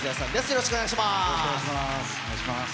よろしくお願いします。